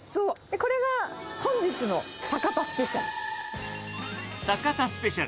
これが本日の坂田スペシャル。